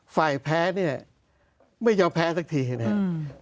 ฝ่ายแพ้เนี่ยไม่ยอมแพ้สักทีนะครับ